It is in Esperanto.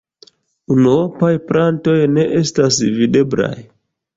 Unuopaj plantoj ne estas videblaj.